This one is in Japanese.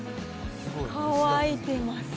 乾いてます。